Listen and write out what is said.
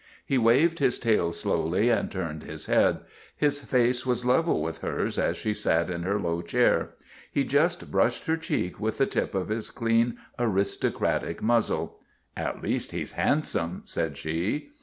He waved his tail slowly and turned his head ; his face was level with hers as she sat in her low chair. He just brushed her cheek with the tip of his clean, aristocratic muzzle. " At least, he 's handsome," said she.